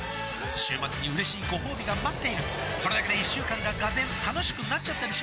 週末にうれしいごほうびが待っているそれだけで一週間が俄然楽しくなっちゃったりしますよね